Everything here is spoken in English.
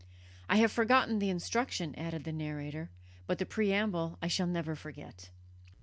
I have forgotten the instruction," added the narrator, "but the preamble I shall never forget."